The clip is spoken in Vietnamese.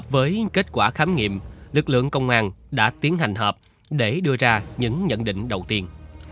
với kết quả khám nghiệm lực lượng công an đã tiến hành họp để đưa ra những nhận định đầu tiên